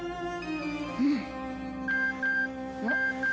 うん。